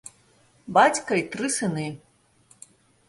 Бацька і тры сыны.